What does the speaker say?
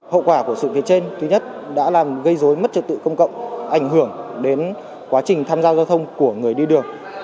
hậu quả của sự việc trên thứ nhất đã làm gây dối mất trật tự công cộng ảnh hưởng đến quá trình tham gia giao thông của người đi đường